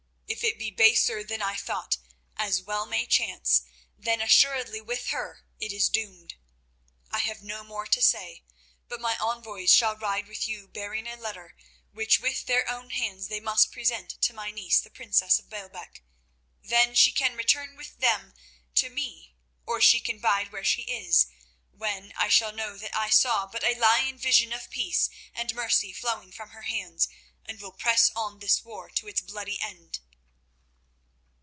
If it be baser than I thought, as well may chance, then assuredly with her it is doomed. I have no more to say, but my envoys shall ride with you bearing a letter, which with their own hands they must present to my niece, the princess of Baalbec. Then she can return with them to me, or she can bide where she is, when I shall know that I saw but a lying vision of peace and mercy flowing from her hands, and will press on this war to its bloody end."